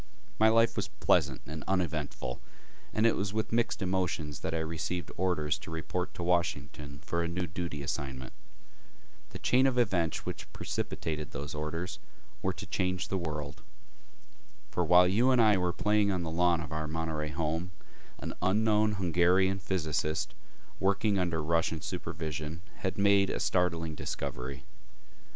My life was pleasant and uneventful, and it was with mixed emotions that I received orders to report to Washington for a new duty assignment. The chain of events which precipitated those orders were to change the world.... For while you and I were playing on the lawn of our Monterey home, an unknown Hungarian physicist working under Russian supervision had made a startling discovery.